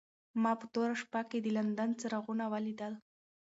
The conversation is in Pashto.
ما په توره شپه کې د لندن څراغونه ولیدل.